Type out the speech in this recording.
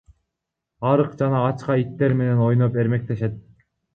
Арык жана ачка иттер менен ойноп эрмектешет.